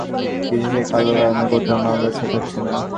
কিন্তু সে কালোর কারনে, কোথাও মামলা সেট হচ্ছে না।